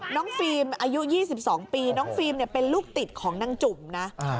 ฟิล์มอายุ๒๒ปีน้องฟิล์มเป็นลูกติดของนางจุ่มนะ